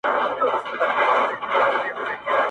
بې دلیله مي د ښمن دی په بازار کي.!